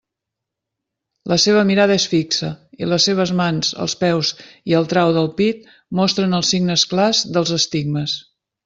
La seva mirada és fi xa, i les seves mans, els peus i el trau del pit mostren els signes clars dels estigmes.